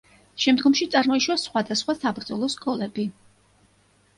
შემდგომში წარმოიშვა სხვადასხვა საბრძოლო სკოლები.